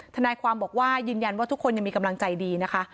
ทนายความบอกว่ายืนยันว่าทุกคนยังมีกำลังใจดีนะคะ